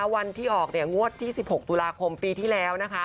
วันที่ออกงวดที่๑๖ตุลาคมปีที่แล้ว